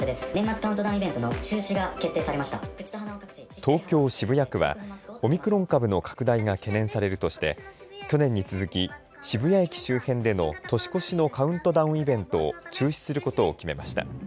東京渋谷区はオミクロン株の拡大が懸念されるとして去年に続き渋谷駅周辺での年越しのカウントダウンイベントを中止することを決めました。